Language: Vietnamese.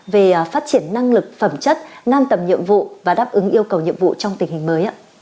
về phát triển năng lực phẩm chất ngăn tầm nhiệm vụ và đáp ứng yêu cầu nhiệm vụ trong tình hình mới